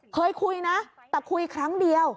เคยคุยนะแต่คุยครั้งเดียว